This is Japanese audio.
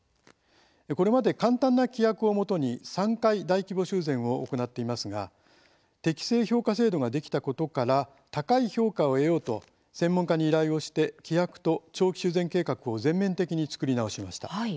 これまで簡単な規約をもとに３回大規模修繕を行っていますが適正評価制度ができたことから高い評価を得ようと専門家に依頼をして規約と長期修繕計画を全面的に作り直しました。